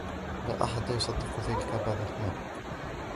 لا أحد يصدق ذلك بعد الآن.